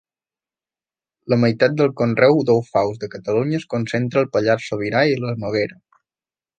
La meitat del conreu d'alfals de Catalunya es concentra al Pallars Sobirà i la Noguera.